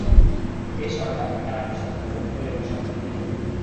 এ সরকার, আর আমি সরকারের কোলে বসা মিডিয়া।